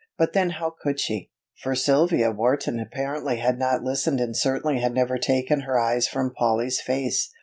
But then how could she, for Sylvia Wharton apparently had not listened and certainly had never taken her eyes from Polly's face?